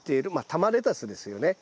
玉レタスですよね。